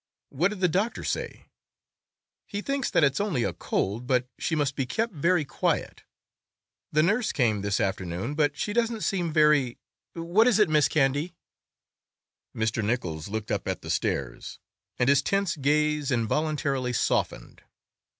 "What did the doctor say?" "He thinks that it's only a cold, but she must be kept very quiet. The nurse came this afternoon, but she doesn't seem very—What is it, Miss Candy?" Mr. Nichols looked up at the stairs, and his tense gaze involuntarily softened.